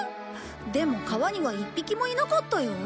でも川には一匹もいなかったよ。